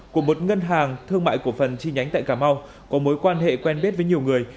của một ngân hàng thương mại cổ phần chi nhánh tại cà mau có mối quan hệ quen biết với nhiều người